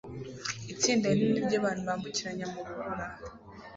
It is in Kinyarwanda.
Itsinda rinini ryabantu bambukiranyamu rubura